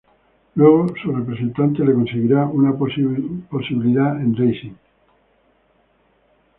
Luego su representante le conseguiría una posibilidad en Racing.